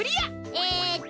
えっと